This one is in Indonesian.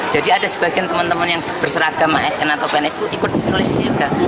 jadi ada sebagian teman teman yang berseragam asn atau bns itu ikut penulis juga